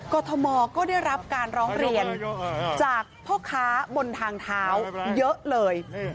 กรทมก็ได้รับการร้องเรียนจากพ่อค้าบนทางเท้าเยอะเลย